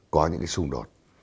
có những cái xung đột